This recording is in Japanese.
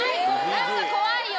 何か怖いよ